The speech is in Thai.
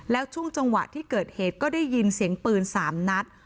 แล้วช่วงจังหวะที่เกิดเหตุก็ได้ยินเสียงปืน๓นัด